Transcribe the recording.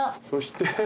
そして。